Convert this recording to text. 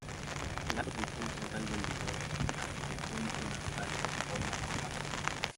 El arco es el punto central del decorado arquitectónico natural que conforma la plaza.